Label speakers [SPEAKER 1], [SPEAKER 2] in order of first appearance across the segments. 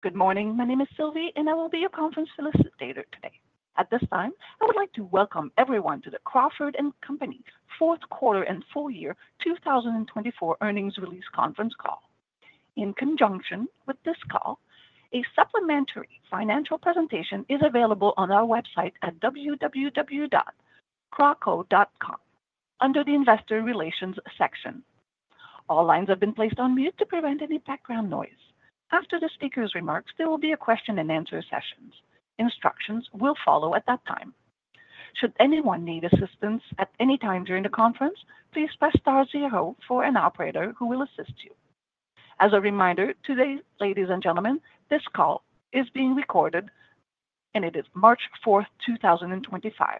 [SPEAKER 1] Good morning. My name is Sylvie, and I will be your conference facilitator today. At this time, I would like to welcome everyone to the Crawford & Company Tami Stevenson, fourth quarter and full year 2024 earnings release conference call. In conjunction with this call, a supplementary financial presentation is available on our website at www.crawford.com under the Investor Relations section. All lines have been placed on mute to prevent any background noise. After the speaker's remarks, there will be a question-and-answer session. Instructions will follow at that time. Should anyone need assistance at any time during the conference, please press star zero for an operator who will assist you. As a reminder, today, ladies and gentlemen, this call is being recorded, and it is March 4, 2025.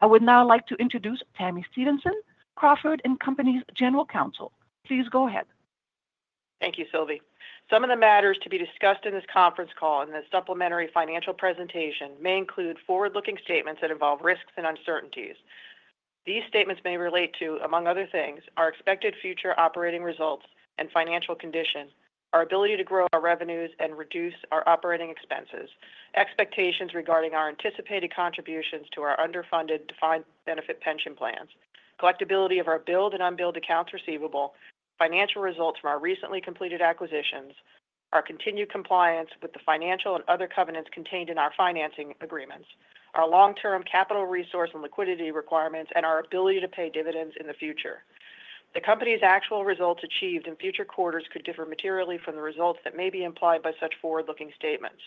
[SPEAKER 1] I would now like to introduce Tami Stevenson, Crawford & Company's General Counsel. Please go ahead.
[SPEAKER 2] Thank you, Sylvie. Some of the matters to be discussed in this conference call and the supplementary financial presentation may include forward-looking statements that involve risks and uncertainties. These statements may relate to, among other things, our expected future operating results and financial condition, our ability to grow our revenues and reduce our operating expenses, expectations regarding our anticipated contributions to our underfunded defined benefit pension plans, collectibility of our billed and unbilled accounts receivable, financial results from our recently completed acquisitions, our continued compliance with the financial and other covenants contained in our financing agreements, our long-term capital resource and liquidity requirements, and our ability to pay dividends in the future. The company's actual results achieved in future quarters could differ materially from the results that may be implied by such forward-looking statements.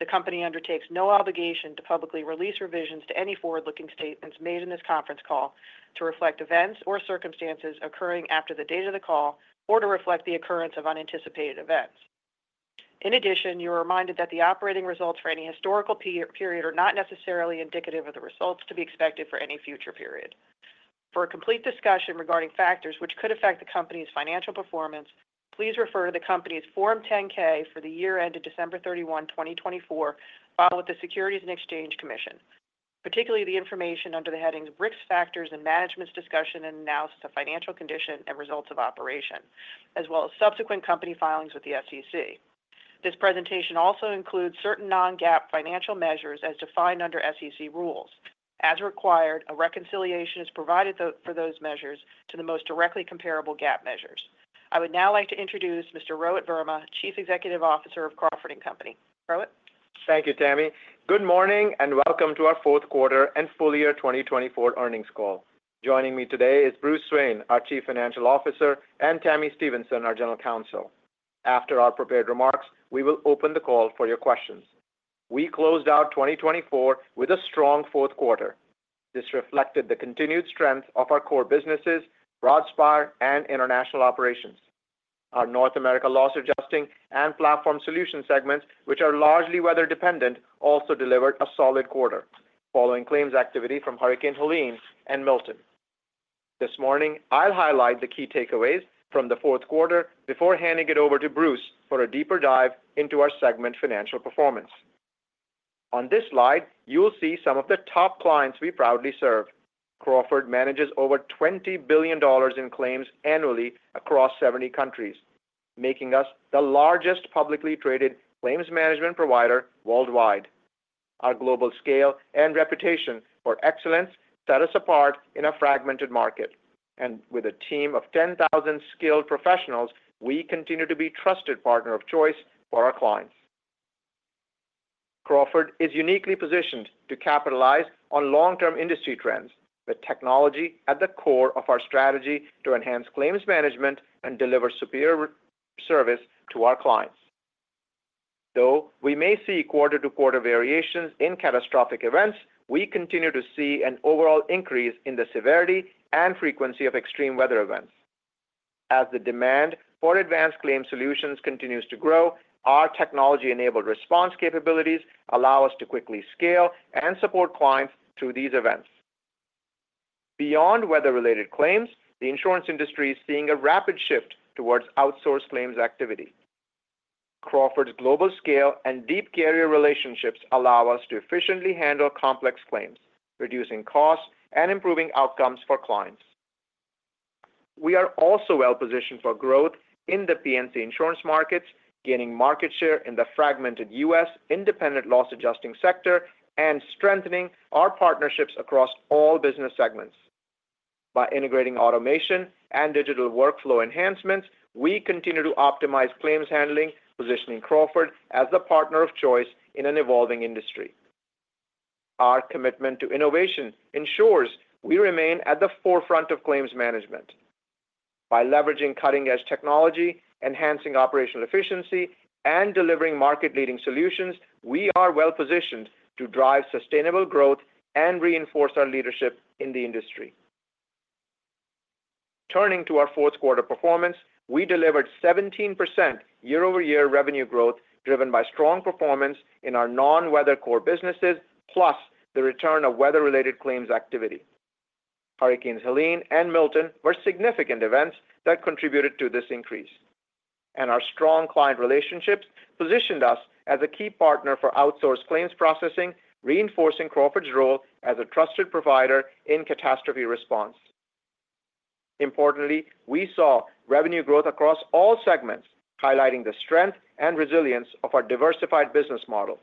[SPEAKER 2] The company undertakes no obligation to publicly release revisions to any forward-looking statements made in this conference call to reflect events or circumstances occurring after the date of the call or to reflect the occurrence of unanticipated events. In addition, you are reminded that the operating results for any historical period are not necessarily indicative of the results to be expected for any future period. For a complete discussion regarding factors which could affect the company's financial performance, please refer to the company's Form 10-K for the year ended December 31, 2024, filed with the Securities and Exchange Commission, particularly the information under the headings Risk Factors and Management's Discussion and Analysis of Financial Condition and Results of Operation, as well as subsequent company filings with the SEC. This presentation also includes certain non-GAAP financial measures as defined under SEC rules. As required, a reconciliation is provided for those measures to the most directly comparable GAAP measures. I would now like to introduce Mr. Rohit Verma, Chief Executive Officer of Crawford & Company. Rohit?
[SPEAKER 3] Thank you, Tami. Good morning and welcome to our fourth quarter and full year 2024 earnings call. Joining me today is Bruce Swain, our Chief Financial Officer, and Tami Stevenson, our General Counsel. After our prepared remarks, we will open the call for your questions. We closed out 2024 with a strong fourth quarter. This reflected the continued strength of our core businesses, Broadspire, and international operations. Our North America loss adjusting and platform solutions segments, which are largely weather-dependent, also delivered a solid quarter, following claims activity from Hurricane Helene and Hurricane Milton. This morning, I'll highlight the key takeaways from the fourth quarter before handing it over to Bruce for a deeper dive into our segment financial performance. On this slide, you'll see some of the top clients we proudly serve. Crawford manages over $20 billion in claims annually across 70 countries, making us the largest publicly traded claims management provider worldwide. Our global scale and reputation for excellence set us apart in a fragmented market. With a team of 10,000 skilled professionals, we continue to be a trusted partner of choice for our clients. Crawford is uniquely positioned to capitalize on long-term industry trends, with technology at the core of our strategy to enhance claims management and deliver superior service to our clients. Though we may see quarter-to-quarter variations in catastrophic events, we continue to see an overall increase in the severity and frequency of extreme weather events. As the demand for advanced claim solutions continues to grow, our technology-enabled response capabilities allow us to quickly scale and support clients through these events. Beyond weather-related claims, the insurance industry is seeing a rapid shift towards outsourced claims activity. Crawford's global scale and deep carrier relationships allow us to efficiently handle complex claims, reducing costs and improving outcomes for clients. We are also well-positioned for growth in the P&C insurance markets, gaining market share in the fragmented U.S. independent loss-adjusting sector and strengthening our partnerships across all business segments. By integrating automation and digital workflow enhancements, we continue to optimize claims handling, positioning Crawford as the partner of choice in an evolving industry. Our commitment to innovation ensures we remain at the forefront of claims management. By leveraging cutting-edge technology, enhancing operational efficiency, and delivering market-leading solutions, we are well-positioned to drive sustainable growth and reinforce our leadership in the industry. Turning to our fourth quarter performance, we delivered 17% year-over-year revenue growth driven by strong performance in our non-weather core businesses, plus the return of weather-related claims activity. Hurricanes Helene and Milton were significant events that contributed to this increase, and our strong client relationships positioned us as a key partner for outsourced claims processing, reinforcing Crawford's role as a trusted provider in catastrophe response. Importantly, we saw revenue growth across all segments, highlighting the strength and resilience of our diversified business model.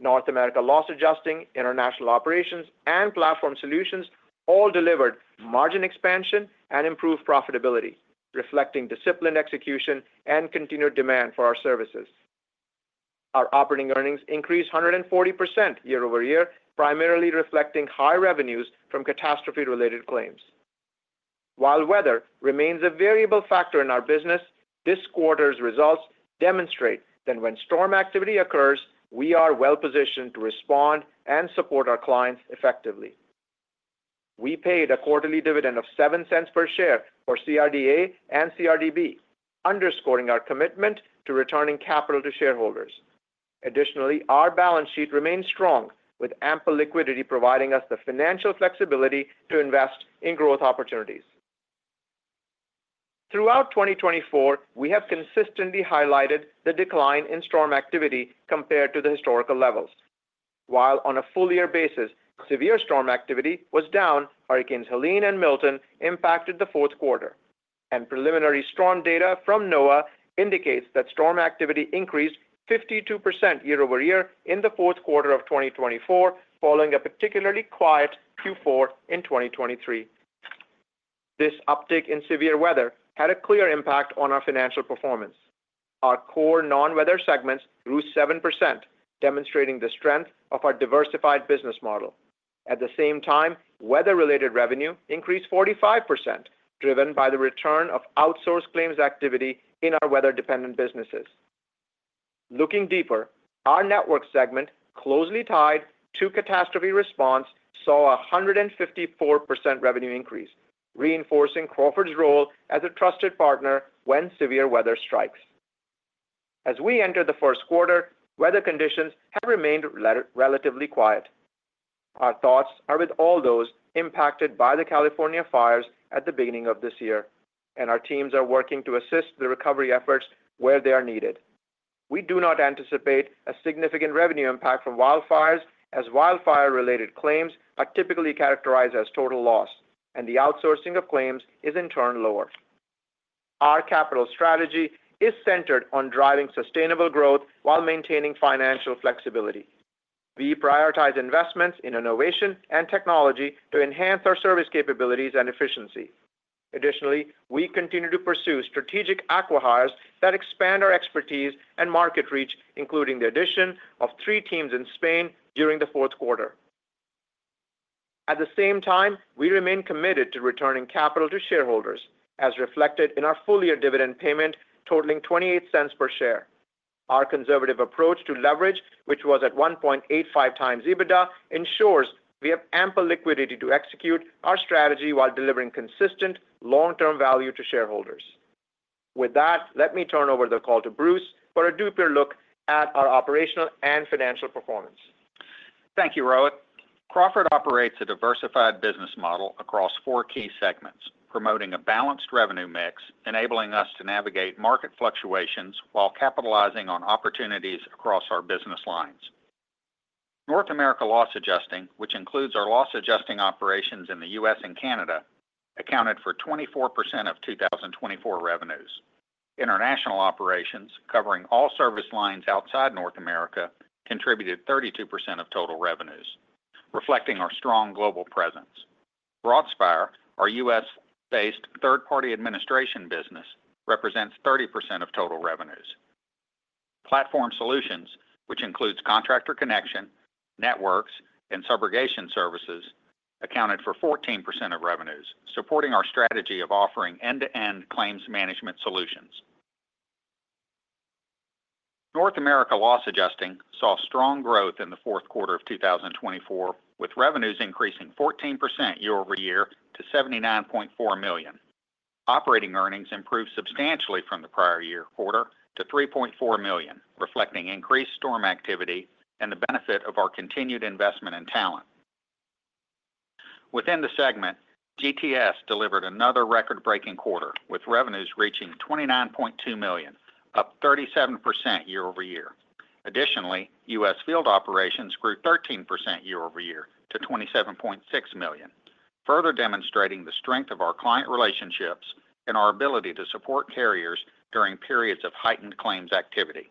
[SPEAKER 3] North America loss adjusting, international operations, and platform solutions all delivered margin expansion and improved profitability, reflecting disciplined execution and continued demand for our services. Our operating earnings increased 140% year-over-year, primarily reflecting high revenues from catastrophe-related claims. While weather remains a variable factor in our business, this quarter's results demonstrate that when storm activity occurs, we are well-positioned to respond and support our clients effectively. We paid a quarterly dividend of $0.07 per share for CRD-A and CRD-B, underscoring our commitment to returning capital to shareholders. Additionally, our balance sheet remained strong, with ample liquidity providing us the financial flexibility to invest in growth opportunities. Throughout 2024, we have consistently highlighted the decline in storm activity compared to the historical levels. While on a full-year basis, severe storm activity was down, Hurricanes Helene and Milton impacted the fourth quarter, and preliminary storm data from NOAA indicates that storm activity increased 52% year-over-year in the fourth quarter of 2024, following a particularly quiet Q4 in 2023. This uptick in severe weather had a clear impact on our financial performance. Our core non-weather segments grew 7%, demonstrating the strength of our diversified business model. At the same time, weather-related revenue increased 45%, driven by the return of outsourced claims activity in our weather-dependent businesses. Looking deeper, our network segment, closely tied to catastrophe response, saw a 154% revenue increase, reinforcing Crawford's role as a trusted partner when severe weather strikes. As we enter the first quarter, weather conditions have remained relatively quiet. Our thoughts are with all those impacted by the California fires at the beginning of this year, and our teams are working to assist the recovery efforts where they are needed. We do not anticipate a significant revenue impact from wildfires, as wildfire-related claims are typically characterized as total loss, and the outsourcing of claims is, in turn, lower. Our capital strategy is centered on driving sustainable growth while maintaining financial flexibility. We prioritize investments in innovation and technology to enhance our service capabilities and efficiency. Additionally, we continue to pursue strategic acquihires that expand our expertise and market reach, including the addition of three teams in Spain during the fourth quarter. At the same time, we remain committed to returning capital to shareholders, as reflected in our full-year dividend payment totaling $0.28 per share. Our conservative approach to leverage, which was at 1.85 times EBITDA, ensures we have ample liquidity to execute our strategy while delivering consistent long-term value to shareholders. With that, let me turn over the call to Bruce for a deeper look at our operational and financial performance.
[SPEAKER 4] Thank you, Rohit. Crawford operates a diversified business model across four key segments, promoting a balanced revenue mix, enabling us to navigate market fluctuations while capitalizing on opportunities across our business lines. North America loss adjusting, which includes our loss-adjusting operations in the U.S. and Canada, accounted for 24% of 2024 revenues. International operations, covering all service lines outside North America, contributed 32% of total revenues, reflecting our strong global presence. Broadspire, our U.S.-based third-party administration business, represents 30% of total revenues. Platform solutions, which include Contractor Connection, Networks, and Subrogation Services, accounted for 14% of revenues, supporting our strategy of offering end-to-end claims management solutions. North America loss adjusting saw strong growth in the fourth quarter of 2024, with revenues increasing 14% year-over-year to $79.4 million. Operating earnings improved substantially from the prior year quarter to $3.4 million, reflecting increased storm activity and the benefit of our continued investment and talent. Within the segment, GTS delivered another record-breaking quarter, with revenues reaching $29.2 million, up 37% year-over-year. Additionally, U.S. field operations grew 13% year-over-year to $27.6 million, further demonstrating the strength of our client relationships and our ability to support carriers during periods of heightened claims activity.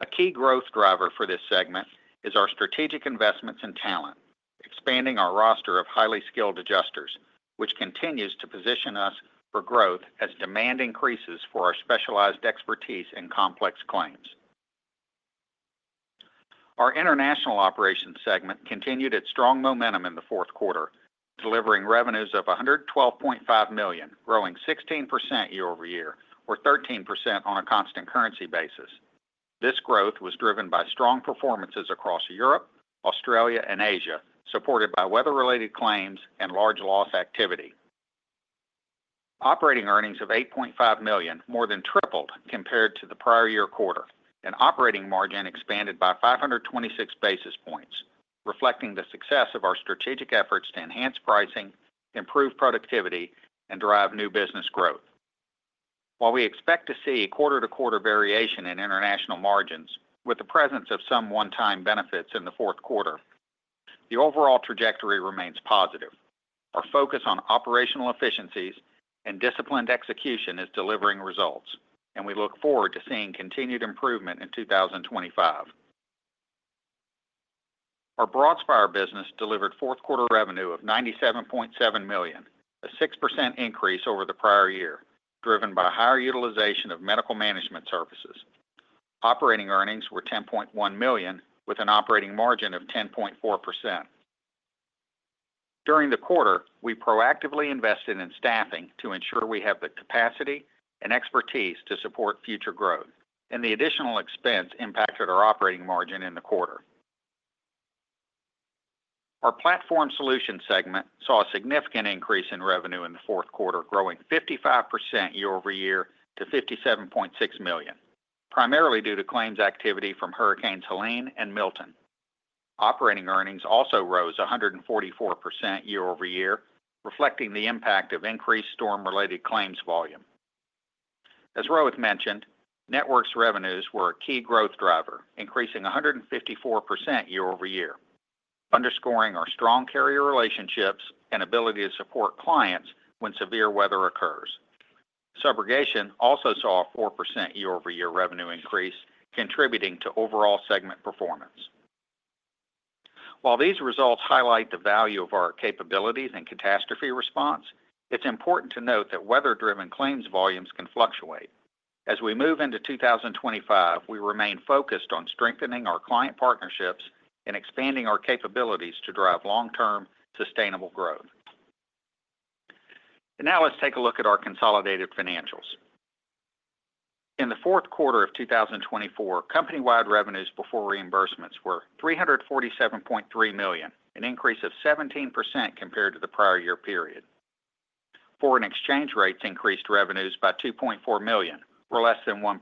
[SPEAKER 4] A key growth driver for this segment is our strategic investments and talent, expanding our roster of highly skilled adjusters, which continues to position us for growth as demand increases for our specialized expertise in complex claims. Our international operations segment continued its strong momentum in the fourth quarter, delivering revenues of $112.5 million, growing 16% year-over-year, or 13% on a constant currency basis. This growth was driven by strong performances across Europe, Australia, and Asia, supported by weather-related claims and large loss activity. Operating earnings of $8.5 million more than tripled compared to the prior year quarter, and operating margin expanded by 526 basis points, reflecting the success of our strategic efforts to enhance pricing, improve productivity, and drive new business growth. While we expect to see quarter-to-quarter variation in international margins, with the presence of some one-time benefits in the fourth quarter, the overall trajectory remains positive. Our focus on operational efficiencies and disciplined execution is delivering results, and we look forward to seeing continued improvement in 2025. Our Broadspire business delivered fourth-quarter revenue of $97.7 million, a 6% increase over the prior year, driven by higher utilization of medical management services. Operating earnings were $10.1 million, with an operating margin of 10.4%. During the quarter, we proactively invested in staffing to ensure we have the capacity and expertise to support future growth, and the additional expense impacted our operating margin in the quarter. Our platform solutions segment saw a significant increase in revenue in the fourth quarter, growing 55% year-over-year to $57.6 million, primarily due to claims activity from Hurricanes Helene and Milton. Operating earnings also rose 144% year-over-year, reflecting the impact of increased storm-related claims volume. As Rohit mentioned, Networks revenues were a key growth driver, increasing 154% year-over-year, underscoring our strong carrier relationships and ability to support clients when severe weather occurs. Subrogation also saw a 4% year-over-year revenue increase, contributing to overall segment performance. While these results highlight the value of our capabilities in catastrophe response, it's important to note that weather-driven claims volumes can fluctuate. As we move into 2025, we remain focused on strengthening our client partnerships and expanding our capabilities to drive long-term sustainable growth. Now, let's take a look at our consolidated financials. In the fourth quarter of 2024, company-wide revenues before reimbursements were $347.3 million, an increase of 17% compared to the prior year period. Foreign exchange rates increased revenues by $2.4 million, or less than 1%.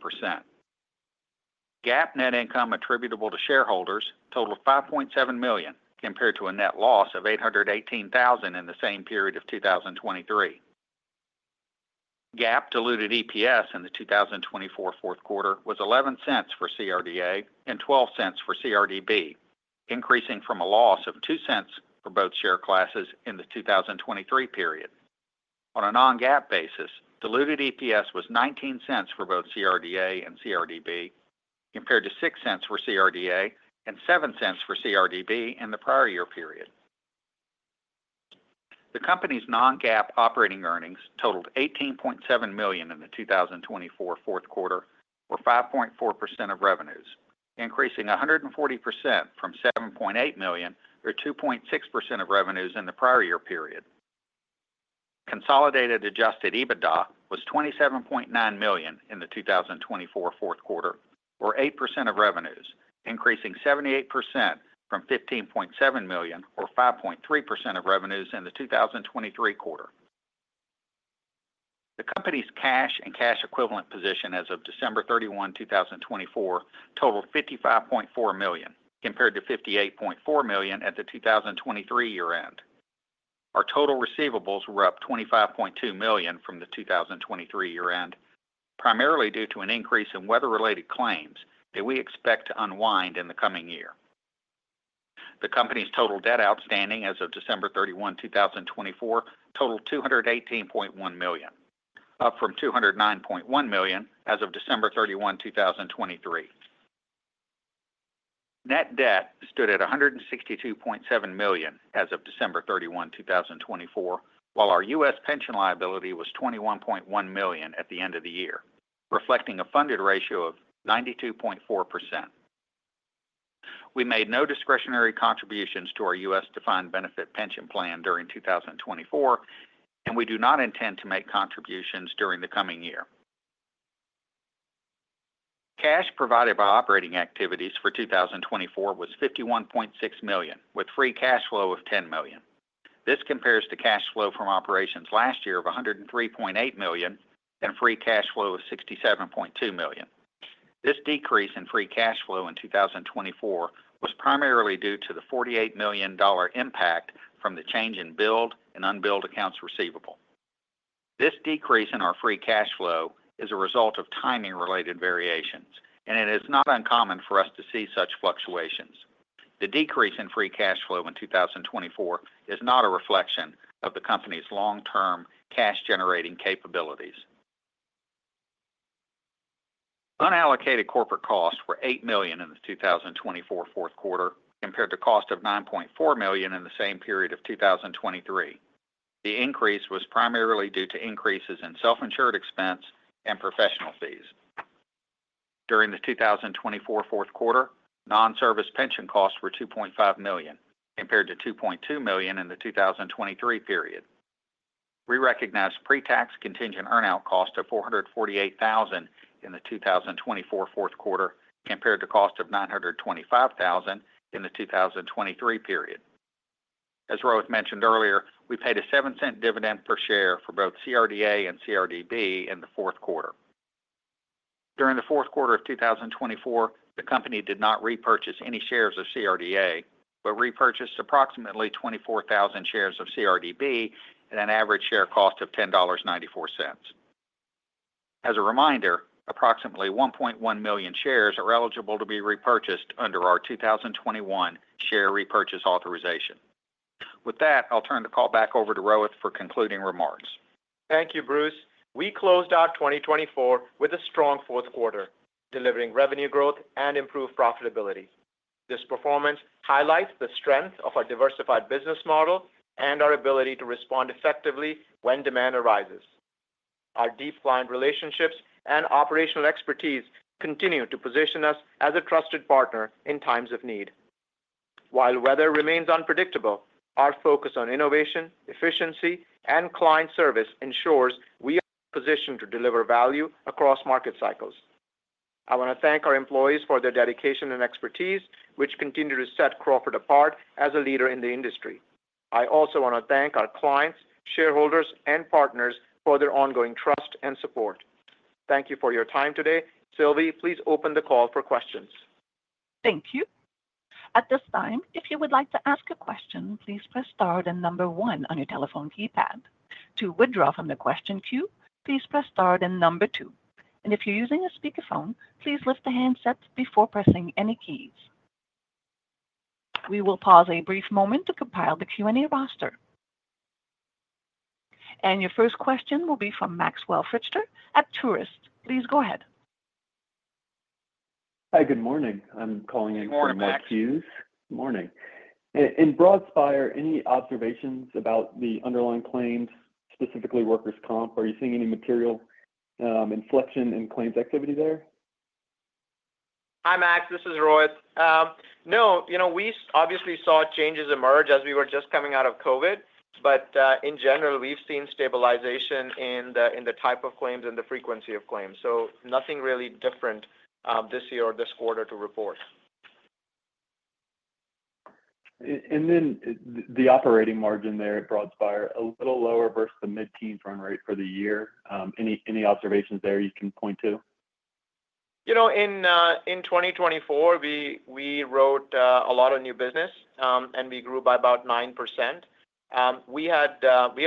[SPEAKER 4] GAAP net income attributable to shareholders totaled $5.7 million, compared to a net loss of $818,000 in the same period of 2023. GAAP diluted EPS in the 2024 fourth quarter was $0.11 for CRD-A and $0.12 for CRD-B, increasing from a loss of $0.02 for both share classes in the 2023 period. On a non-GAAP basis, diluted EPS was $0.19 for both CRD-A and CRD-B, compared to $0.06 for CRD-A and $0.07 for CRD-B in the prior year period. The company's non-GAAP operating earnings totaled $18.7 million in the 2024 fourth quarter, or 5.4% of revenues, increasing 140% from $7.8 million, or 2.6% of revenues in the prior year period. Consolidated adjusted EBITDA was $27.9 million in the 2024 fourth quarter, or 8% of revenues, increasing 78% from $15.7 million, or 5.3% of revenues in the 2023 quarter. The company's cash and cash equivalent position as of December 31, 2024, totaled $55.4 million, compared to $58.4 million at the 2023 year-end. Our total receivables were up $25.2 million from the 2023 year-end, primarily due to an increase in weather-related claims that we expect to unwind in the coming year. The company's total debt outstanding as of December 31, 2024, totaled $218.1 million, up from $209.1 million as of December 31, 2023. Net debt stood at $162.7 million as of December 31, 2024, while our U.S. Pension liability was $21.1 million at the end of the year, reflecting a funded ratio of 92.4%. We made no discretionary contributions to our U.S. defined benefit pension plan during 2024, and we do not intend to make contributions during the coming year. Cash provided by operating activities for 2024 was $51.6 million, with free cash flow of $10 million. This compares to cash flow from operations last year of $103.8 million and free cash flow of $67.2 million. This decrease in free cash flow in 2024 was primarily due to the $48 million impact from the change in billed and unbilled accounts receivable. This decrease in our free cash flow is a result of timing-related variations, and it is not uncommon for us to see such fluctuations. The decrease in free cash flow in 2024 is not a reflection of the company's long-term cash-generating capabilities. Unallocated corporate costs were $8 million in the 2024 fourth quarter, compared to a cost of $9.4 million in the same period of 2023. The increase was primarily due to increases in self-insured expense and professional fees. During the 2024 fourth quarter, non-service pension costs were $2.5 million, compared to $2.2 million in the 2023 period. We recognized pre-tax contingent earn-out cost of $448,000 in the 2024 fourth quarter, compared to a cost of $925,000 in the 2023 period. As Rohit mentioned earlier, we paid a $0.07 dividend per share for both CRD-A and CRD-B in the fourth quarter. During the fourth quarter of 2024, the company did not repurchase any shares of CRD-A, but repurchased approximately 24,000 shares of CRD-B at an average share cost of $10.94. As a reminder, approximately 1.1 million shares are eligible to be repurchased under our 2021 share repurchase authorization. With that, I'll turn the call back over to Rohit for concluding remarks.
[SPEAKER 3] Thank you, Bruce. We closed out 2024 with a strong fourth quarter, delivering revenue growth and improved profitability. This performance highlights the strength of our diversified business model and our ability to respond effectively when demand arises. Our deep client relationships and operational expertise continue to position us as a trusted partner in times of need. While weather remains unpredictable, our focus on innovation, efficiency, and client service ensures we are positioned to deliver value across market cycles. I want to thank our employees for their dedication and expertise, which continue to set Crawford apart as a leader in the industry. I also want to thank our clients, shareholders, and partners for their ongoing trust and support. Thank you for your time today. Sylvie, please open the call for questions.
[SPEAKER 1] Thank you. At this time, if you would like to ask a question, please press star and number one on your telephone keypad. To withdraw from the question queue, please press star and number two. If you're using a speakerphone, please lift the handset before pressing any keys. We will pause a brief moment to compile the Q&A roster. Your first question will be from Maxwell Fritscher at Truist. Please go ahead.
[SPEAKER 5] Hi, good morning. I'm calling in from Matthews.
[SPEAKER 4] Good morning Matt.
[SPEAKER 5] Good morning. In Broadspire, any observations about the underlying claims, specifically workers' comp? Are you seeing any material inflection in claims activity there?
[SPEAKER 3] Hi, Max. This is Rohit. No, you know we obviously saw changes emerge as we were just coming out of COVID. In general, we've seen stabilization in the type of claims and the frequency of claims. Nothing really different this year or this quarter to report.
[SPEAKER 5] The operating margin there at Broadspire, a little lower versus the mid-teens run rate for the year. Any observations there you can point to?
[SPEAKER 3] You know, in 2024, we wrote a lot of new business, and we grew by about 9%. We had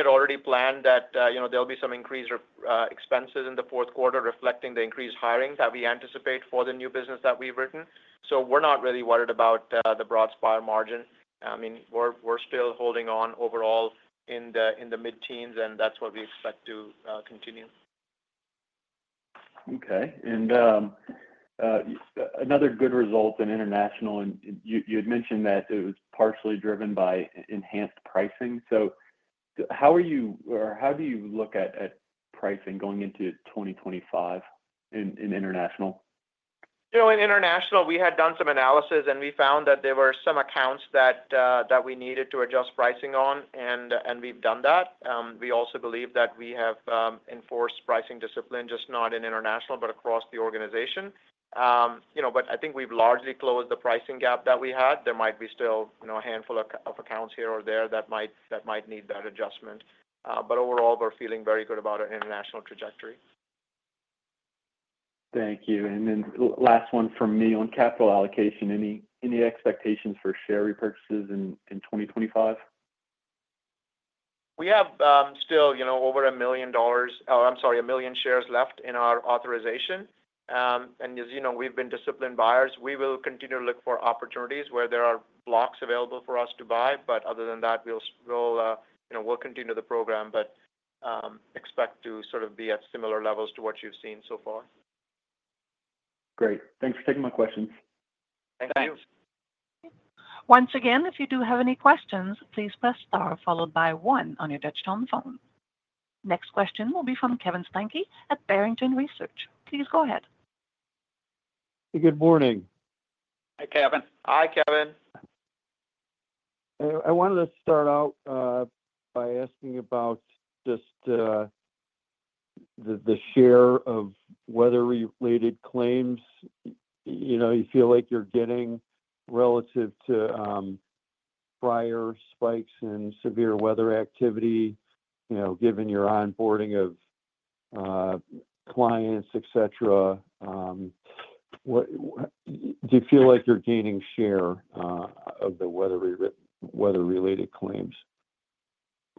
[SPEAKER 3] already planned that there'll be some increased expenses in the fourth quarter, reflecting the increased hirings that we anticipate for the new business that we've written. I mean, we're not really worried about the Broadspire margin. We're still holding on overall in the mid-teens, and that's what we expect to continue.
[SPEAKER 5] Okay. Another good result in international, and you had mentioned that it was partially driven by enhanced pricing. How are you or how do you look at pricing going into 2025 in international?
[SPEAKER 3] You know, in international, we had done some analysis, and we found that there were some accounts that we needed to adjust pricing on, and we've done that. We also believe that we have enforced pricing discipline, just not in international, but across the organization. You know, I think we've largely closed the pricing gap that we had. There might be still a handful of accounts here or there that might need that adjustment. Overall, we're feeling very good about our international trajectory.
[SPEAKER 5] Thank you. Last one from me on capital allocation. Any expectations for share repurchases in 2025?
[SPEAKER 3] We have still over $1 million—oh, I'm sorry, 1 million shares left in our authorization. As you know, we've been disciplined buyers. We will continue to look for opportunities where there are blocks available for us to buy. Other than that, we'll continue the program, but expect to sort of be at similar levels to what you've seen so far.
[SPEAKER 5] Great. Thanks for taking my questions.
[SPEAKER 3] Thank you.
[SPEAKER 1] Thanks. Once again, if you do have any questions, please press star followed by one on your touch telephone. Next question will be from Kevin Steinke at Barrington Research. Please go ahead.
[SPEAKER 6] Good morning.
[SPEAKER 4] Hi, Kevin.
[SPEAKER 3] Hi, Kevin.
[SPEAKER 6] I wanted to start out by asking about just the share of weather-related claims. You feel like you're getting relative to prior spikes in severe weather activity, given your onboarding of clients, etc. Do you feel like you're gaining share of the weather-related claims?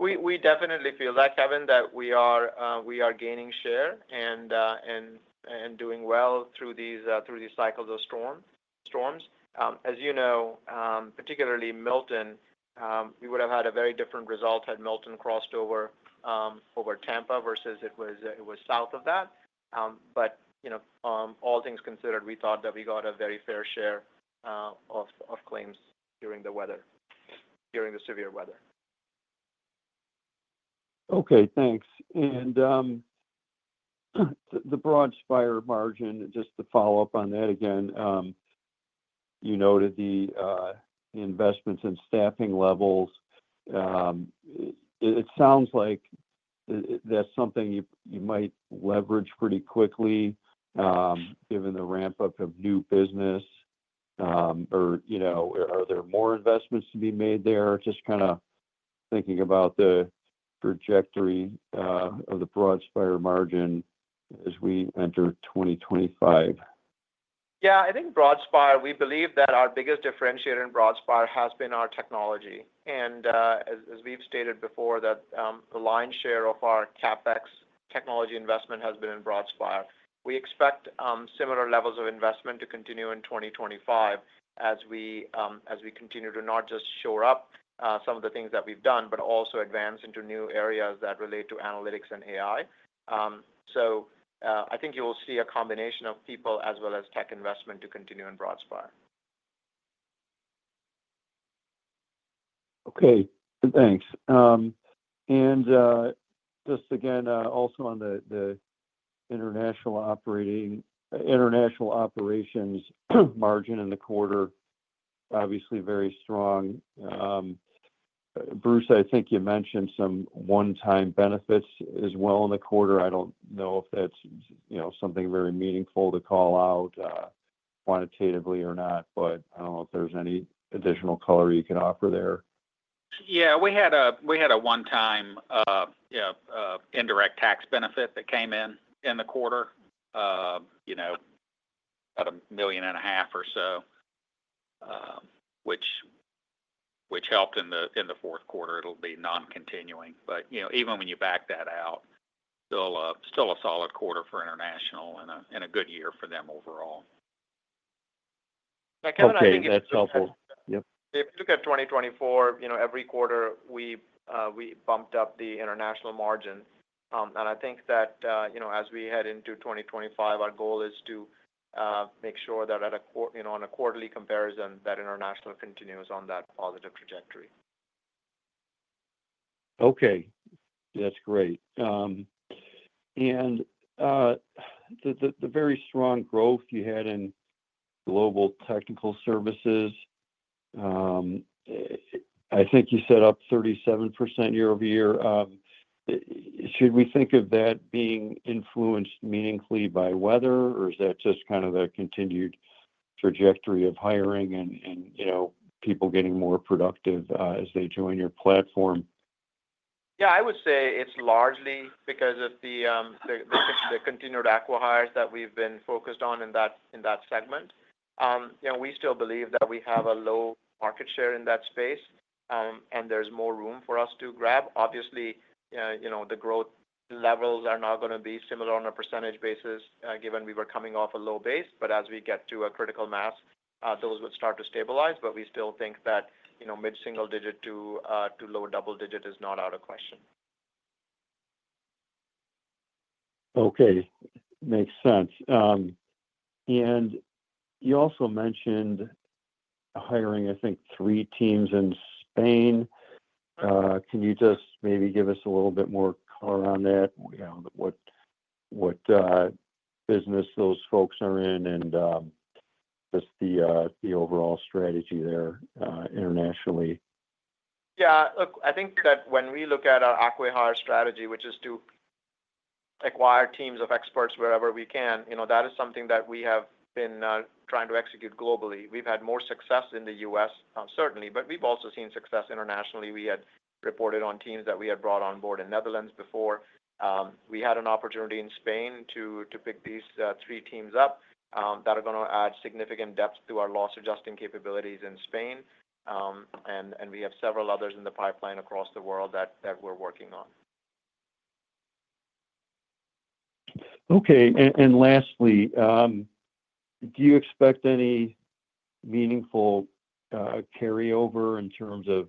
[SPEAKER 3] We definitely feel that, Kevin, that we are gaining share and doing well through these cycles of storms. As you know, particularly Milton, we would have had a very different result had Milton crossed over Tampa versus it was south of that. All things considered, we thought that we got a very fair share of claims during the weather, during the severe weather.
[SPEAKER 6] Okay. Thanks. The Broadspire margin, just to follow up on that again, you noted the investments in staffing levels. It sounds like that's something you might leverage pretty quickly, given the ramp-up of new business. Are there more investments to be made there? Just kind of thinking about the trajectory of the Broadspire margin as we enter 2025.
[SPEAKER 3] Yeah. I think Broadspire, we believe that our biggest differentiator in Broadspire has been our technology. As we've stated before, the lion's share of our CapEx technology investment has been in Broadspire. We expect similar levels of investment to continue in 2025 as we continue to not just shore up some of the things that we've done, but also advance into new areas that relate to analytics and AI. I think you will see a combination of people as well as tech investment to continue in Broadspire.
[SPEAKER 6] Okay. Thanks. Just again, also on the international operations margin in the quarter, obviously very strong. Bruce, I think you mentioned some one-time benefits as well in the quarter. I do not know if that is something very meaningful to call out quantitatively or not, but I do not know if there is any additional color you can offer there.
[SPEAKER 4] Yeah. We had a one-time indirect tax benefit that came in in the quarter, about $1.5 million or so, which helped in the fourth quarter. It'll be non-continuing. Even when you back that out, still a solid quarter for international and a good year for them overall.
[SPEAKER 3] Yeah. Kevin, I think
[SPEAKER 6] That's helpful.
[SPEAKER 3] If you look at 2024, every quarter we bumped up the international margin. I think that as we head into 2025, our goal is to make sure that on a quarterly comparison, that international continues on that positive trajectory.
[SPEAKER 6] Okay. That's great. The very strong growth you had in Global Technical Services, I think you said up 37% year-over-year. Should we think of that being influenced meaningfully by weather, or is that just kind of the continued trajectory of hiring and people getting more productive as they join your platform?
[SPEAKER 3] Yeah. I would say it's largely because of the continued acquihires that we've been focused on in that segment. We still believe that we have a low market share in that space, and there's more room for us to grab. Obviously, the growth levels are not going to be similar on a percentage basis, given we were coming off a low base. As we get to a critical mass, those would start to stabilize. We still think that mid-single digit to low double digit is not out of question.
[SPEAKER 6] Okay. Makes sense. You also mentioned hiring, I think, three teams in Spain. Can you just maybe give us a little bit more color on that, what business those folks are in, and just the overall strategy there internationally?
[SPEAKER 3] Yeah. Look, I think that when we look at our acquihire strategy, which is to acquire teams of experts wherever we can, that is something that we have been trying to execute globally. We've had more success in the U.S., certainly, but we've also seen success internationally. We had reported on teams that we had brought on board in the Netherlands before. We had an opportunity in Spain to pick these three teams up that are going to add significant depth to our loss adjusting capabilities in Spain. We have several others in the pipeline across the world that we're working on.
[SPEAKER 6] Okay. Lastly, do you expect any meaningful carryover in terms of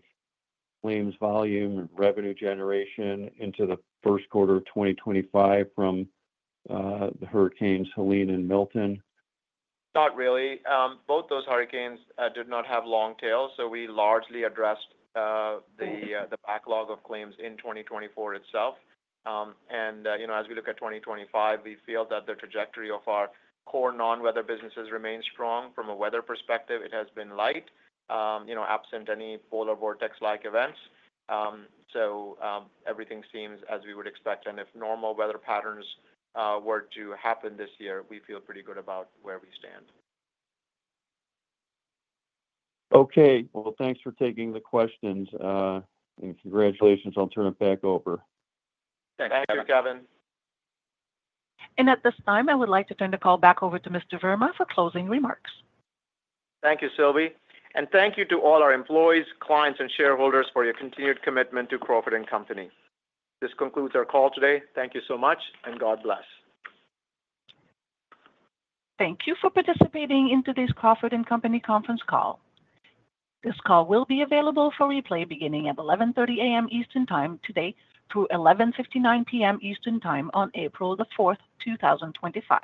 [SPEAKER 6] claims volume and revenue generation into the first quarter of 2025 from the Hurricanes Helene and Milton?
[SPEAKER 3] Not really. Both those hurricanes did not have long tails, so we largely addressed the backlog of claims in 2024 itself. As we look at 2025, we feel that the trajectory of our core non-weather businesses remains strong. From a weather perspective, it has been light, absent any polar vortex-like events. Everything seems as we would expect. If normal weather patterns were to happen this year, we feel pretty good about where we stand.
[SPEAKER 6] Okay. Thanks for taking the questions. Congratulations. I'll turn it back over.
[SPEAKER 3] Thank you, Kevin.
[SPEAKER 1] At this time, I would like to turn the call back over to Mr. Verma for closing remarks.
[SPEAKER 3] Thank you, Sylvie. Thank you to all our employees, clients, and shareholders for your continued commitment to Crawford & Company. This concludes our call today. Thank you so much, and God bless.
[SPEAKER 1] Thank you for participating in today's Crawford & Company conference call. This call will be available for replay beginning at 11:30 A.M. Eastern Time today through 11:59 P.M. Eastern Time on April 4, 2025.